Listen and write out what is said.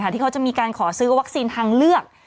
ที่เขาจะมีการขอซื้อวัคซีนทางเลือก